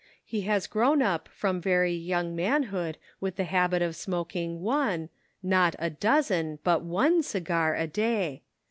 He has grown up from very young manhood with the habit of smoking one — not a dozen — but one cigar a day.